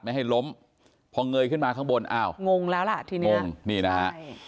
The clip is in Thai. ไม่ให้ล้มพอเงยขึ้นมาข้างบนอ้าวงงแล้วล่ะทีนี้งงนี่นะฮะ